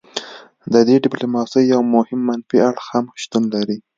د دې ډیپلوماسي یو مهم منفي اړخ هم شتون لري